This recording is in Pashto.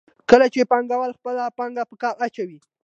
کله چې پانګوال خپله پانګه په کار اچوي